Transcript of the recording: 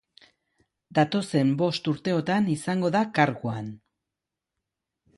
Datozen bost urteotan izango da karguan.